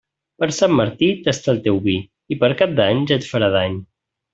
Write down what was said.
Per Sant Martí, tasta el teu vi, i per Cap d'Any ja et farà dany.